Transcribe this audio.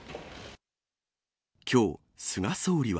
きょう、菅総理は。